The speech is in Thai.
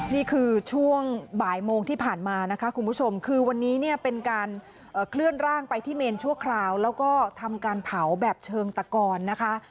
นี่คือช่วงบ่ายโมงที่ผ่านมานะคะคุณผู้ชมคือวันนี้เนี่ยเป็นการเคลื่อนร่างไปที่เมนชั่วคราวแล้วก็ทำการเผาแบบเชิงตะกอนนะคะ